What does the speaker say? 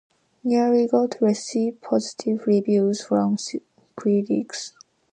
"Nearly God" received positive reviews from critics.